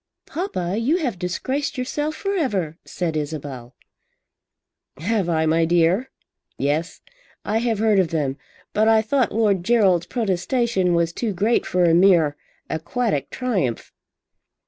"Papa, you have disgraced yourself for ever," said Isabel. "Have I, my dear? Yes, I have heard of them. But I thought Lord Gerald's protestation was too great for a mere aquatic triumph."